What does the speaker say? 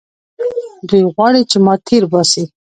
دوى غواړي چې ما تېر باسي.